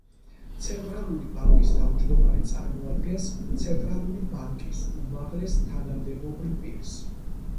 ცენტრალური ბანკის თავმჯდომარე წარმოადგენს ცენტრალური ბანკის უმაღლეს თანამდებობრივ პირს.